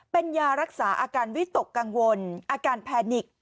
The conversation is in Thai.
เป็นยารักษาอาการวิตกกังวลอาการแพนิก